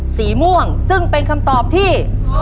สีม่วงซึ่งเป็นคำตอบที่